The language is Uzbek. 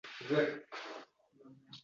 Ichingda jon-jon ustingda baqlajonmi?